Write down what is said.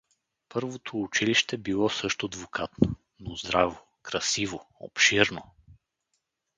Първото училище било също двукатно, но здраво, красиво, обширно.